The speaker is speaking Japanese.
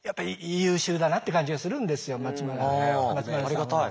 おありがたい。